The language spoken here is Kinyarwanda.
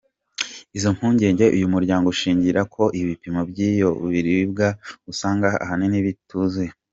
Izo mpungenge uyu muryango uzishingira ko ibipimo by’ibyo biribwa usanga ahanini bituzuye.